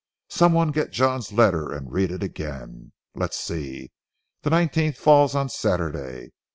Some one get John's letter and read it again. Let's see, the nineteenth falls on Saturday.